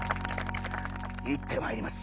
いってまいります。